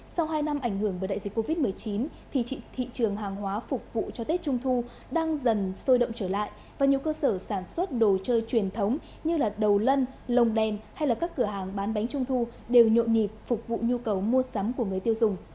sau hai năm ảnh hưởng bởi đại dịch covid một mươi chín thì thị trường hàng hóa phục vụ cho tết trung thu đang dần sôi động trở lại và nhiều cơ sở sản xuất đồ chơi truyền thống như đầu lân lồng đèn hay các cửa hàng bán bánh trung thu đều nhộn nhịp phục vụ nhu cầu mua sắm của người tiêu dùng